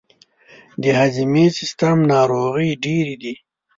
د هضمي سیستم ناروغۍ ډیرې دي.